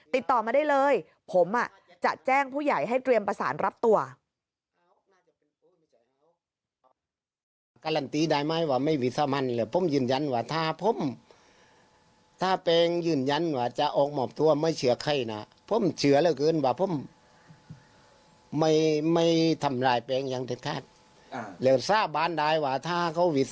ติดต่อมาได้เลยผมจะแจ้งผู้ใหญ่ให้เตรียมประสานรับตัว